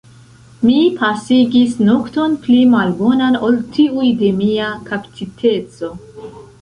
Mi pasigis nokton pli malbonan ol tiuj de mia kaptiteco.